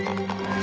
あ！